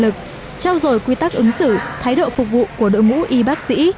được trao dồi quy tắc ứng xử thái độ phục vụ của đội mũ y bác sĩ